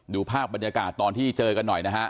ดูภาพบรรยากาศตอนที่เจอกันหน่อยนะฮะ